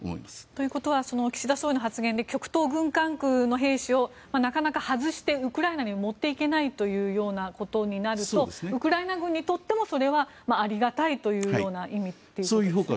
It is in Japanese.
ということは岸田総理の発言で極東軍管区の兵士をなかなか外してウクライナに持っていけないとなるとウクライナ軍にとってもそれはありがたいというような意味でしょうか。